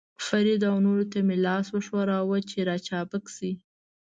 فرید او نورو ته مې لاس وښوراوه، چې را چابک شي.